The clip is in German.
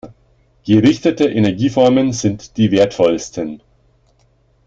Gerichtete Energieformen sind die wertvollsten.